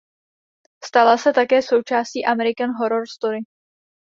Stala se také součástí American Horror Story.